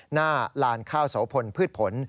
หน้าลานข้าวโสพลพืชผล